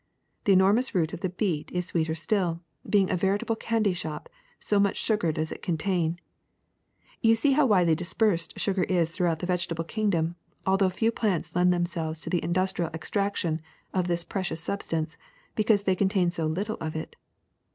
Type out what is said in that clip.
The enormous root of the beet is sweeter still, being a veritable candy shop, so much sugar does it con tain. You see how widely dispersed sugar is throughout the vegetable kingdom, although few plants lend themselves to the industrial extraction of this precious substance, because they contain so little of it.